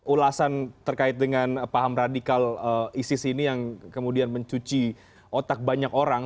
ulasan terkait dengan paham radikal isis ini yang kemudian mencuci otak banyak orang